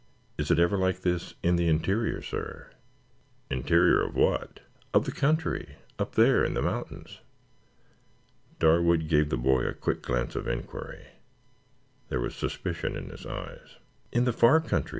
"Is it ever like this in the interior, sir?" "Interior of what?" "Of the country? Up there in the mountains?" Darwood gave the boy a quick glance of inquiry. There was suspicion in his eyes. "In the far country?"